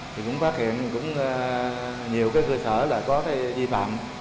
thì cũng phát hiện nhiều cơ sở có di phạm